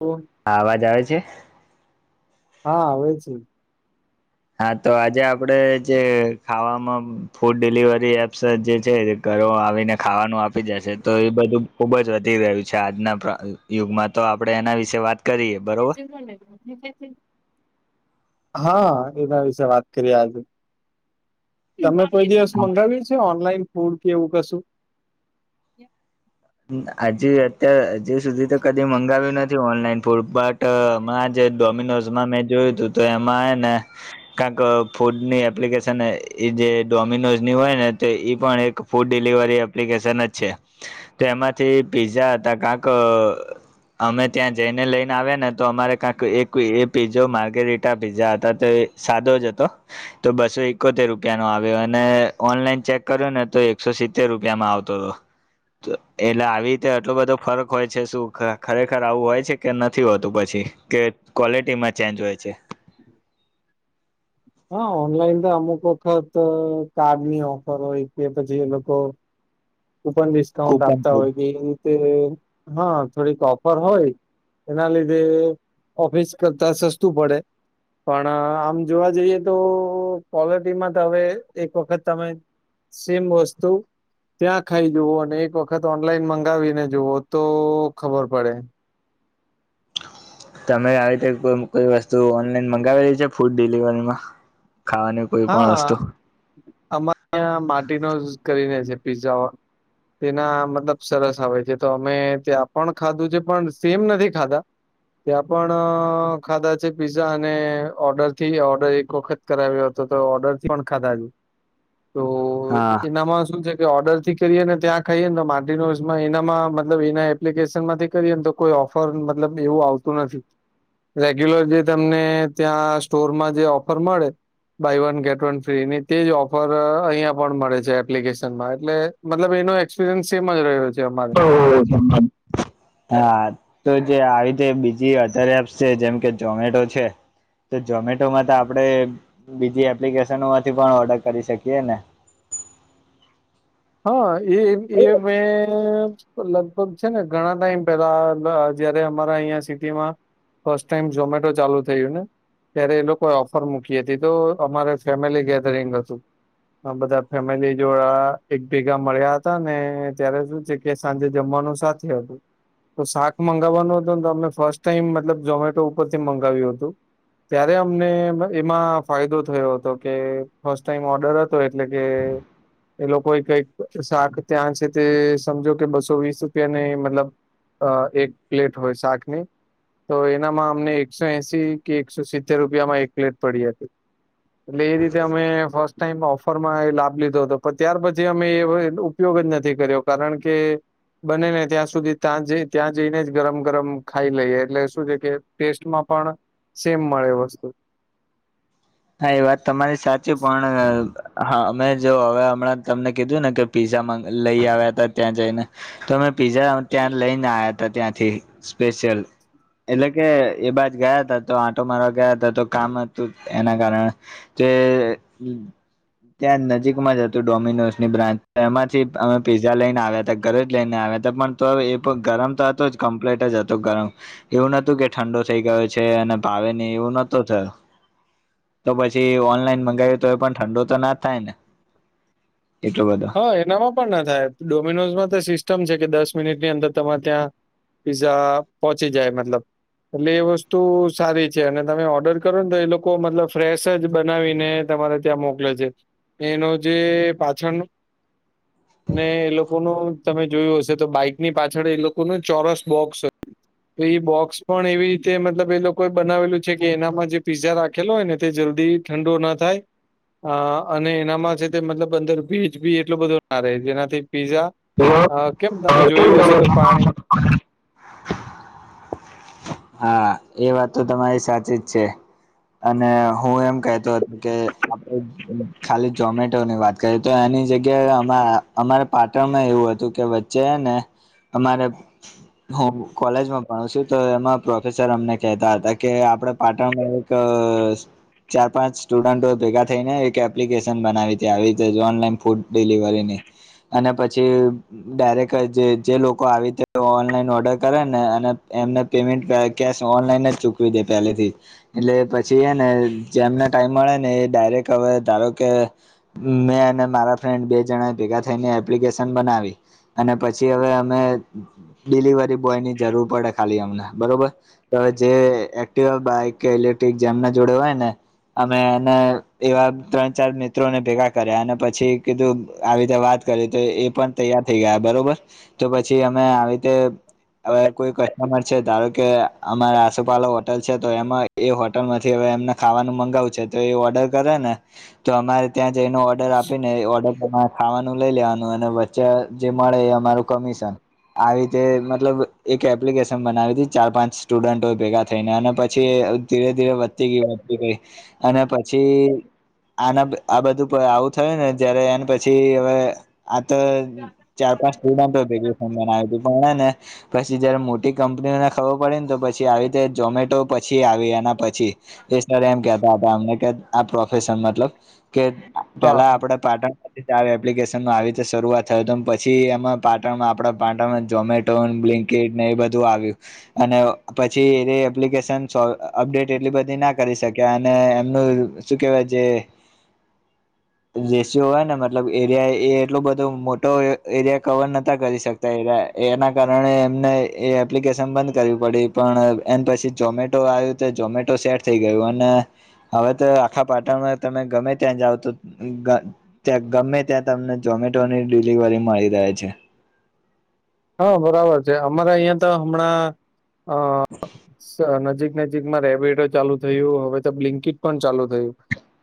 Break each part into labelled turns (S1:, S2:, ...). S1: ઓ,
S2: હા અવાજ આવે છે.
S1: હા આવે છે,
S2: હા તો આજે આપડે જે ખાવામાં ફૂડ ડિલિવરી એપ્સ જે છે. ઘરો માં આવીને ખાવાનું આપી જશે તો એ બધું ખુબ જ વધી રહય્યું છે આજના, યુગમાં તો આપડે એના વિશે વાત, કરીએ બરોબર
S1: [unintelligible] હા એના વિશે વાત કરીએ આજે, તમે કોઈ દિવસ મંગાવ્યું છે ઓનલાઈન ફૂડ કે એવું કશું.
S2: હજી અત્યારે હજી સુધી તો કદી મંગાવ્યું નથી ઓનલાઈન ફૂડ બટ, એમાં જે ડોમિનોઝ માં મેં જોયું તું તો એમાં હે ને, કાકં ફૂડની એપ્લિકેશન એ જે ડોમિનોઝની હોય ને ઈ પણ એક, ફૂડ ડિલિવરી એપ્લિકેશન જ છે. તેમાંથી પીઝા હતા કાંક, અમે ત્યાં જઈને લઈને આવ્યા ને તો અમારે કાંક એક એ પીઝો માર્ગેરીટા પીઝા હતા તો એ, સાદો જ હતો. તો બસો એકોતેર રૂપિયા નો આવ્યો અને ઓનલાઈન ચેક કર્યો ને તો એકસો સિત્તેર રૂપિયામાં આવતો હતો. એટલે આવી રીતે આટલો બધો ફરક હોય છે શું ખરેખર આવું હોય છે કે નથી હોતું પછી કે, ક્વોલિટી માં ચેન્જ હોય છે.
S1: હા ઓનલાઈન તો અમુક વખત કાર્ડની ઓફર હોય કે પછી એ લોકો ઉપર ડિસ્કાઉન્ટ
S2: કૂપન
S1: આપતા
S2: કોડ
S1: હોય કે એ રીતે હા થોડીક ઓફર હોય એના લીધે ઓફિસ કરતા સસ્તું પડે પણ આમ જોવા જઈએ તો ક્વલિટીમાં તો હવે એક વખત તમે સેમ વસ્તુ ત્યાં ખાઈ જુવો અને એક વખત ઓનલાઈન મંગાવીને જુવઓ તો ખબર પડે
S2: તમે આવી રીતે કોઈ કોઈ વસ્તુ ઓનલાઈન મંગાવેલી છે ફૂડ ડિલિવરીમાં ખાવાની કોઈ પણ
S1: હા
S2: વસ્તુ
S1: અમાં માટીનો જ કરીને છે પીઝા તેના મતલબ સરસ આવે છે તો અમે ત્યાં પણ ખાધું છે પણ સેમ નથી ખાધા ત્યાં પણ ખાધા છે પીઝા અને ઓર્ડર થી ઓર્ડર એક વખત કરાવ્યો હતો ઓર્ડર થી પણ ખાધા તો
S2: હા
S1: એનામાં શું છે ઓર્ડર થી કરીએને ત્યાં ખાઈએ ને તો માટીનોમાં એનામાં મતલબ એના એપ્લિકેશન માંથી કરીએને તો કોઈ ઓફર મતલબ એવું આવતું નથી રેગ્યુલર જે તમને ત્યાં સ્ટોરમાં જે ઓફર મળે buy one get one free ની તે જ ઓફર અહિયાયા પણ મળે છે એપ્લિકેશનમાં એટલે મતલબ એનો એક્સપિરિયન્સ સેમ જ રહ્યો છે અમારે
S2: ઓ હ હા તો જે આવી રીતે બીજી અધર એપ્સ છે જેમ કે ઝોમેટો છે તો ઝોમેટોમાં તો આપણે બીજી એપ્લિકેશનોમાંથી પણ ઓર્ડર કરી શકીએ ને
S1: હા એ મે તો લગભગ છે ને ઘણા ટાઈમ પેલા જયારે અમારા અહિયાં સિટીમાં ફર્સ્ટ ટાઈમ ઝમેટો ચાલુ થયું ને ત્યારે એ લોકોએ ઓફર મૂકી હતી તો અમારે ફેમિલી ગેધરિંગ હતું બધા ફેમિલી જોડા એક ભેગા મળ્યા હતા ને ત્યારે શું છે કે સાંજે જમવાનું સાથે હતું તો શાક મંગાવવાનું હતું ને તો અમને ફર્સ્ટ ટાઈમ મતલબ ઝોમેટો ઉપરથી મંગાવ્યું હતું ત્યારે અમને એમાં ફાયદો થયો હતો કે ફસ્ટ ટાઈમ ઓર્ડર હતો એટલે કે કોઈ કઈક શાક ત્યાં છે તે સમજો કે બસો વીસ રૂપિયાને મતલબ અ એક પ્લેટ હોય શાકની તો એનામાં અમને એકસો એસી કે એકસો સિત્તેર રૂપિયામાં એક પ્લેટ પડી હતી એટલે એ રીતે અમે ફર્સ્ટ ટાઈમ ઓફર માં એ લાભ લીધો હતો પણ ત્યાર પછી થી અમે એ ઉપયોગ જ નથી કર્યો કારણ કે બને ને ત્યાં સુધી ત્યાં જ ત્યાં જઈને જ ગરમ ગરમ ખાઈ લઈએ એટલે શું છે કે ટેસ્ટમાં પણ સેમ મળે વસ્તુ
S2: હા એ વાત તમારી સાચી પણ હા અમે જો હવે હમણાં તમને કીધું ને કે પીઝા લઈ આવ્યા હતા ત્યાં જઈને તો અમે પીઝા ત્યાં લઈને આવ્યા હતા ત્યાંથી સ્પેશિયલ એટલે કે એ બાજુ ગયા ત તો આંટો મારવા ગયા હતા તો કામ હતું એના કારણે જે ત્યાં નજીકમાં જ હતું ડોમિનોસ ની બ્રાન્ચ એમાંથી અમે પીઝા લઈને આવ્યા હતા ઘરે જ લઈને આવ્યા પણ તો હવે એ ગરમ તો હતો જ કમ્પ્લીટ જ હતો ગરમ એવું નતું કે ઠંડો થઈ ગયો છે અને ભાવે નહી એવું નહતો થયો તો પછી ઓનલાઈન મંગાવી તો એ પણ ઠંડો તો ના જ થાય ને એટલું બધું
S1: હા એનામાં પણ ના થાય ડોમિનોઝમાં તો સિસ્ટમ છે કે દસ મિનિટ ની અંદર તમારે ત્યાં પિઝા પહોંચી જાય મતલબ એટલે એ વસ્તુ સારી છે અને તમે ઓર્ડર કરો ને તો એ લોકો મતલબ ફ્રેશ જ બનાવીને તમારે ત્યાં મોકલે છે એનો જે પાછળ ને એ લોકોનું તમે જોયું હશે તો બાઈક ની પાછળ એ લોકોનું ચોરસ બોક્સ હતું તો એ બોક્સ પણ એવી રીતે મતલબ એ લોકોએ બનાવેલું છે કે એનામાં જે પીઝા રાખેલો હોય ને તે જલ્દી ઠંડો ના થાય અ અને એનામાં છે તે મતલબ અંદર બીજ જી એટલો બધો ના રહે જેનાથી પીઝા કેમ તમે જોયું હશે તો પાણી
S2: હા એ વાત તો તમારી સાચી જ છે અને હું એમ કેતો હતું કે ખાલી ઝોમેટોની વાત કરીએ તો એની જગ્યાએ અમારે પાટણમાં એવું હતું કે જે ને અમારે હું કોલેજમાં ભણું છું તો એમાં પ્રોફેસર અમને કહેતા હતા કે આપણે પાટણમાં એક ચાર પાંચ સ્ટુડન્ટો ભેગા થઈ ને એક એપ્લિકેશન બનાવી હતી આવી રીતે ઓનલાઈન ફૂડ ડિલિવરીની અને પછી ડાયરેક્ટ જ જે લોકો આવી ઓનલાઈન ઓર્ડર કરે ને અને એમને પેમેન્ટ કે ઓનલાઈન જ ચૂકવી દે પહેલેથી એટલે પછી એ ને જેમને ટાઈમ મળે ને એ ડાયરેક્ટ હવે ધારો કે મેં અને મારા ફ્રેન્ડ બે જણા ભેગા થઈને એપ્લિકેશન બનાવી અને પછી હવે અમે ડિલિવરી બોયની જરૂર પડે ખાલી અમને બરોબર હવે જે એક્ટવા બાઈક કે ઇલેક્ટ્રિક જેમના જોડે હોય ને અમે એને એવા ત્રણ ચાર મિત્રોને ભેગા કર્યા અને પછી કીધું આવી રીતે વાત એ પણ તૈયાર થઈ ગયા બરોબર તો પછી અમે આવી રીતે હવે કોઈ ધારો કે અમારે આસોપાલવ હોટલ છે તો એમાં એ હોટલ નથી હવે એમને ખાવાનું મગાવુ છે તો એ ઓર્ડર કરે ને તો અમારે ત્યાં જઈને ઓર્ડર આપી ને એ ઓર્ડર તમારે ખાવાનું લઈ લેવાનું અને વચ્ચે જે મળે એ અમારું કમિશન આવી રીતે મતલબ એક‌ એપ એપ્લિકેશન બનાવી હતી ચાર પાંચ સ્ટુડન્ટો ભેગા થઈને અને પછી ધીરે ધીરે વધતી ગઈ વધતી ગઈ અને પછી આના આ બધું આવું થયું ને જયારે એને પછી હવે આ તો ચાર પાંચ સ્ટુડન્ટ ભેગુ‌ થય બનાવ્યું હતું પણ ને પછી જયારે મોટી કંપનીઓને ખબર પડે ને તો પછી આવી રીતે ઝોમેટો પછી આવી અને પછી એ સર એમ કેતા હતા અમને કે આ પ્રોફેસર મતલબ કે
S1: હા
S2: પેલા આપડે પાટણ એપ્લિકેશન આવી રીતે શરૂઆત થયો પછી એમાં પાટણમાં આપણા પાટણમાં જોમેટ ન બ્લીંકિટ ને એ બધું આવ્યું અને પછી એ એપ્લિકેશનો અપડેટ એટલી બધી ના કરી શક્યા અને એમનું સુ કેવાય જે જેસીઓ હોય ને મતલબ એરિયા એ એટલું બધો મોટો એરિયા કવર નતા કરી શકતા એના કારણે એમને એ. એપ્લિકેશન બંધ કરવી પડી પણ એન પછી જોમેટો આવ્યું તો જોમેટો સેટ થઈ ગયું અને હવે તો આખા પાટણમાં તમે ગમે ત્યાં જાવ તો ત્યાં ગમે ત્યાં તમને ઝોમેટોની ડિલિવરી મળી રહે છે.
S1: હા બરાબર છે અમારે અહિયાં તો હમણાં અ સ નજીક નજીકમાં રેબીડો ચાલુ થયું હવે તો બ્લિન્કીિટ પણ ચાલુ થયું.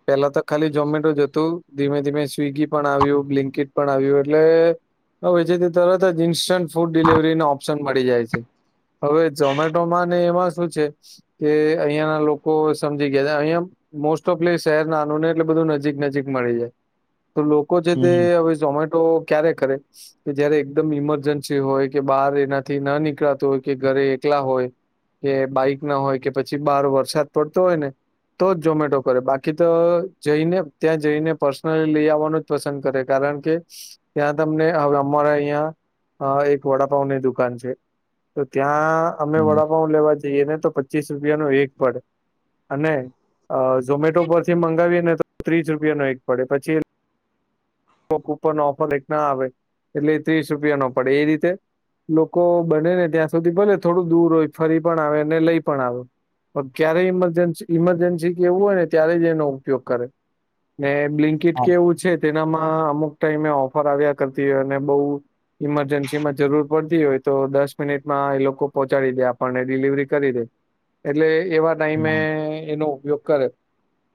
S1: પેલા તો ખાલી ઝોમેટો જ હતું ધીમે ધીમે સ્વગી પણ આવ્યું બ્લિન્કીટ પણ આવ્યું એટલે હવે છે તે તરત જ ઈન્સ્ટન્ટ ફૂડ ડિલવરીનો ઓપ્શન મળી જાય છે. હવે ઝોમેટોમાં ને એમાં શું છે. કે અહિયાં ના લોકો સમજી ગયા એમ મોસ્ટ ઓફલી શહેર નાનું ને એટલે બધું નજીક નજીક મળી જાય તો લોક કો છે તે
S2: હમ
S1: હવે ઝોમેટો ક્યારે કરે કે જયારે એકદમ ઇમરજન્સી છે હોય કે બહાર એનાથી ન નીકળાતું હોય કે ઘરે એકલા હોય કે બાઈક ના હોય કે પછી બહાર વરસાદ પડતો હોય ને તો જ જોમેટો કરે બાકી તો જઈને ત્યાં જઈને પર્સનલી લઈ આવવાનું પસંદ કરે કારણ કે ત્યાં તમને હવે અમારા અહિયા હા એક વડાપઉની દુકાન છે. તો ત્યાં અમે
S2: હમ
S1: વડાપાઉ લેવા જઈએ ને તો પચીસ રૂપિયા નો એક પડે અને. અ ઝોમેટો પરથી મંગાવીએ ને તો ત્રીસ રૂપિયા નો એક પડે પછી કોક ઉપર નો ઓફર એક ના આવે એટલે ત્રીસ રૂપિયા નો પડે એ રીતે લોકો બને ને ત્યાં સુધી ભલે થોડું દૂર હોય ફરી પણ આવે અને લઈ પણ આવે. પણ ક્યારેય ઇમરજન્સી ઇમરજન્સી કેવું હોય ને ત્યારે જ એનો ઉપયોગ કરે. ને બ્લિન્કીટ કેવું છે, તેનામાં અમુક ટાઈમે ઓફર આવ્યા કરતી હોય અને બઉ ઈમરજન્સીમાં જરૂર પડતી હોય તો દસ મિનિટમાં એ લોકો પહોંચાડી દે આપણને ડિલિવરી કરી દે. એટલે એવા
S2: હા
S1: ટાઈમે એનો ઉપયોગ કરે.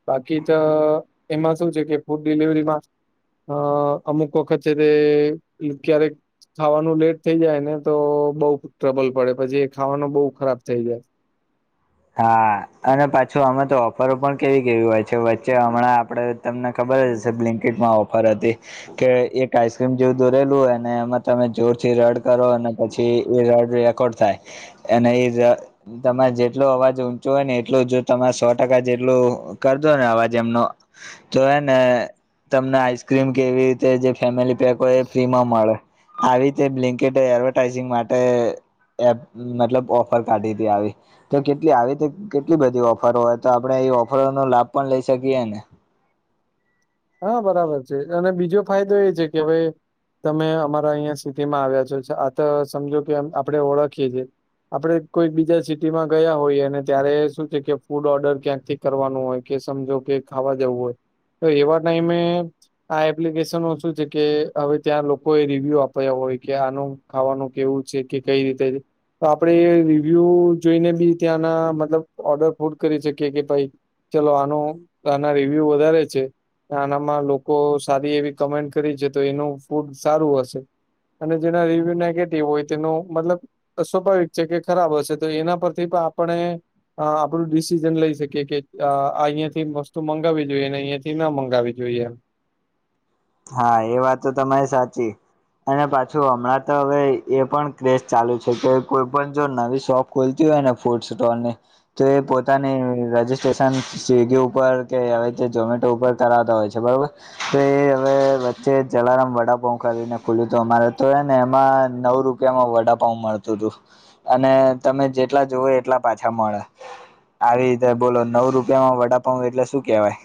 S1: બાકી તો એમાં શું છે કે ફૂડ ડિલિવરીમાં. અ અમુક વખત છે તે ક્યારેક. ખાવાનું લેટ થઇ જાય ને તો બઉ ટ્રબલ પડે પછી એ ખાવાનું બહુ ખરાબ થઈ જાય.
S2: હા અને પાછું અમે તો ઓફરો પણ કેવી કેવી હોય છે વચ્ચે હમણાં આપડે. તમને ખબર જ હશે બ્લિન્કેટમાં ઓફર હતી. કે એક આઈસક્રીમ જેવું દોરેલું હોય ને એમાં તમે જોર થી રડ કરો અને પછી એ રડ. થાય તમે. એટલો અવાજ ઊંચો હોય ને, એટલું જો તરે સો ટકા જેટલું કરજો ને, અવાજ એમનો. તો હ ને, તમને આઈસક્રીમ કે એવી રીતે જે ફેમિલી પેક હો, ય એ ફ્રી માં મળે. આવી રીતે બ્લેન્કેટ એડવર્ટાઈઝિંગ માટે. એપ મતલબ ઓફર કાઢી હતી આવી. તો કેટલી આવી તો કેટલી બધી ઓફરો હોય તો, આપણે એ ઓફરોનો લાભ પણ લઈ શકીએ ને.
S1: હા, બરાબર છે, અને બીજો ફાયદો એ છે કે, ભાઈ. તમે અમારા અહીં સ્થિતિ માં આવ્યા છો, આ તો સમજો કે, આપણે ઓળખીએ છીએ. આપડે કોઈ બીજા સિટીમાં ગયા હોય, એ અને ત્યારે શું છે કે, ફૂડ ઓર્ડર ક્યાંક થી. કરવાનું હોય કે, સમજો કે ખાવા જવું હોય, તો એવા ટાઈમે. આ એપ્લિકેશન શું છે કે, હવે ત્યાં લોકો એ રિવ્યુ આપ્યા હોય કે આનું. ખાવાનું કેવું છે કે, કઈ રીતે તો આપણે રિવ્યુ જોઈને બી, ત્યાંના મતલબ ઓર્ડર ફોડ કરી શકીએ કે ભાઈ. ચલો, આનો આના રિવ્યુ વધારે છે. આનામાં લોકો સારી એવી કમેન્ટ કરી છે, તો એનું ફૂડ સારું હશે. અને જેના રિવ્યુ નેગેટિવ હોય, તેનો મતલબ. સ્વાભાવિક છે કે, ખરાબ હશે તો, એના પરથી પણ આપણે અ આપડું ડિસિઝન લઈ શકીએ કે, અહિયાંયાથી વસ્તુ મંગાવવી જોઈએ, અહિયાયા થી ના મગ. કરાવવી જોઈએ‌.
S2: હા, એ વાત તો તમારી સાચી. અને પાછું હમણાં તો હવે એ પણ ક્રેઝ ચાલુ છે કે, કોઈ પણ જો નવી સોફ. ખોલતી હોય ને, ફૂડ સ્ટોલ ને, તો એ પોતાની ર સ્ટેશન સ્વિગી ઉપર કે, આવી રીતે ઝમેટો ઉપર કરાવતા હોય છે, બરોબર તો એ. હવે વચ્ચે જલારામ વડાપઉ કરીને ખુલ્યું હતું, અમારે તો એ ને એમાં નવ રૂપિયામાં વડાપઉ મળતો. અને તમે જેટલા જોવો એટલા પાછા મળે. આવી રીતે બોલો, નવ રૂપિયામાં વડાપ એટલે શું કેહેવાય?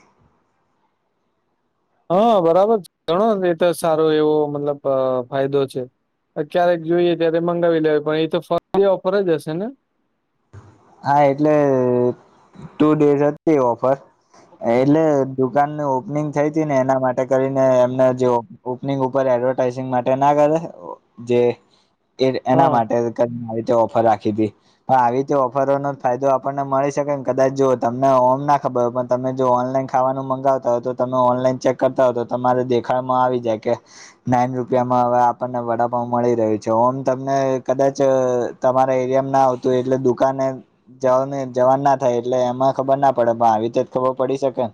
S1: હા, બરાબર છે, ઘણો એ તો સારો એવો મતલબ ફાયદો છે. ક્યારેક જોઈએ ત્યારે મંગાવી લેવા, પણ એ તો ફરી ઓફર જ હશે ને.
S2: હા, એટલે ટુ ડેઝ હતી, ઓફર એટલે. દુકાનની ઓપનિંગ થઈ હતી ને, એના માટે કરીને એમને જો. ઓપનિંગ ઉપર એડવર્ટાઈઝિંગ માટે ના કરે, જે એના
S1: હા
S2: માટે કાન આવી રીતે ઓફર રાખી હતી પણ આવી રીતે ઓ ફરોનો જ ફાયદો આપણને મળી શકે ને, કદાચ જો તમને ઓમ ના ખબર હોય, પણ તમે જો ઓનલાઈન ખાવાનું મંગાવતા હોય તો. તમે ઓનલાઈન ચેક કરતા હો, તો તમારે દેખાડમાં આવી જાય કે. નાઈન રૂપિયામાં હવે આપણને વડાપાવ મળી રહ્યું છે ઓમ તમને કદાચ તમારા એરિયામાં ના આવતું એટલે દુ દુકાને જવા જવા ના થાય એટલે એમાં ખબર ના પડે પણ આવી રીતે જ ખબર પડી શકે.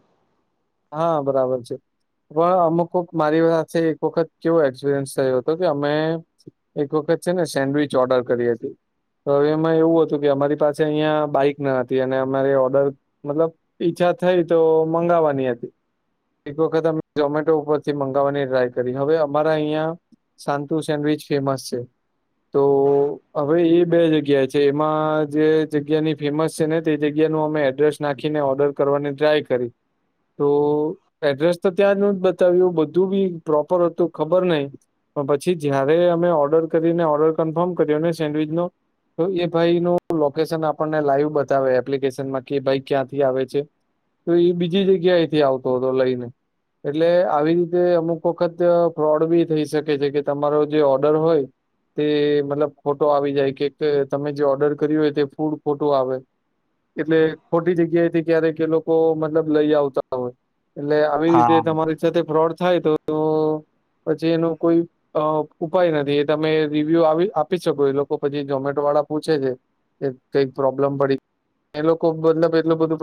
S1: હા બરાબર છે. પણ અમુક કોક મારી સાથે એક વખત કેવો એક્સપિરિયન્સ થયો હતો કે અમે એક વખત છે ને સેન્ડવિચ ઓર્ડર કરી હતી તો હવે એમાં એવું હતું કે અમારી પાસે અહીંયા બાઈક ના હતી અને અમારે ઓર્ડર મતલબ પીછા થાઈ તો મંગાવવાની હતી. એક વખત અમે ઝમેટો ઉપરથી મંગાવવાની ટ્રાય કરી હવે અમારા અહિયા સાંતુ સેન્ડવિચ ફેમસ છે. તો હવે એ બે જગ્યા છે એમાં જે જગ્યાની ફેમસ છે ને તે જગ્યા નો અમે એડ્રેસ નાખીને ઓર્ડર કરવાની ટ્રાય કરી તો એડ્રેસ તો ત્યાં ન જ બતાવ્યું બધું બી પ્રોપર હતું ખબર નહિ પછી જયારે અમે ઓર્ડર કરીને ઓર્ડર કન્ફર્મ કર્યો ને સેન્ડવીચ નો તો એ ભાઈ નું લોકેશન આપણને લાઈવ બતાવે એપ્લિકેશનમાં કે ભાઈ ક્યાંથી આવે છે. તો એ બીજી જગ્યા એથી આવતો હતો લઈને એટલે આવી રીતે અમુક વખત ફ્રોડ બી થઈ શકે છે કે તમારો જે ઓર્ડર હોય તે મતલબ ખોટો આવી જાય કે તમે જે ઓર્ડર કર્યું હોય તે ફૂડ ખોટું આવે એટલે ખોટી જગ્યા એથી ક્યારે એ લોકો મતલબ લઈ આવતા હ એટલે આવી રીતે
S2: હા
S1: તમારી સાથે ફ્રોડ થાય તો તો પછી એનું કોઈ અ ઉપાય નથી એ તમે રિવ્યુ આવી આપી શકો એ લોકો પછી ઝમેટો વાળા પૂછે છે. કઈક પ્રોબ્લેમ પડી એ લોકો મતલબ એટલું બધું